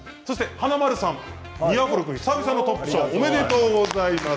華丸さんが２アフロ君で久々のトップおめでとうございます。